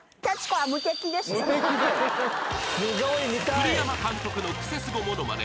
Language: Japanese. ［栗山監督のクセスゴものまね］